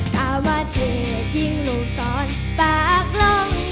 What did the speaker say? ตามาเททิ้งลูกศรปากลง